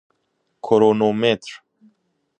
کرونومتر